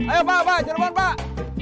ayo pak bak jerebon pak